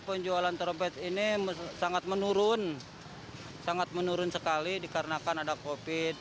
penjualan trompet ini sangat menurun sangat menurun sekali dikarenakan ada covid